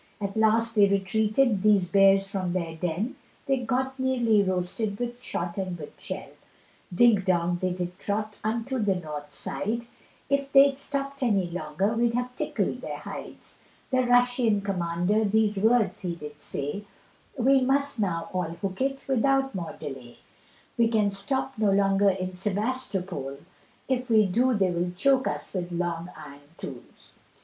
At last they retreated, these bears from their den, They got nearly roasted with shot and with shell, Dingdong they did trot unto to the North side, If they'd stopt any longer we'd have tickled their hides, The Russian commander these words he did say, We must now all hook it without more delay, We can stop no longer in Sebastopol; If we do they will choke us with long iron tools.